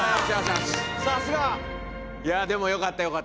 さすが！いやでもよかったよかった。